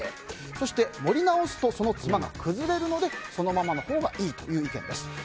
そして盛り直すとそのツマが崩れるのでそのままのほうがいいという意見です。